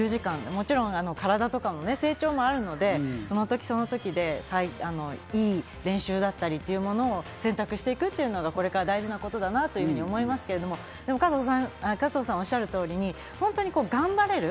もちろん体とかの成長もあるので、その時その時で、いい練習だったりっていうものを選択していくっていうのがこれから大事なことだなと思いますけれど、加藤さんがおっしゃる通り、本当に頑張れる。